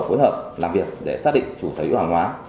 phối hợp làm việc để xác định chủ sở hữu hàng hóa